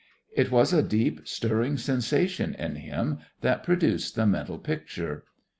It was a deep, stirring sensation in him that produced the mental picture.